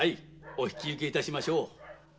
お引き受けいたしましょう。